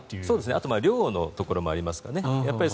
あと量のところもありますかね。